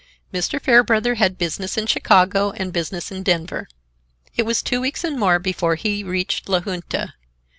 Mr. Fairbrother had business in Chicago and business in Denver. It was two weeks and more before he reached La Junta.